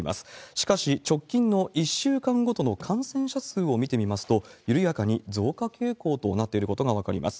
しかし直近の１週間ごとの感染者数を見てみますと、緩やかに増加傾向となっていることが分かります。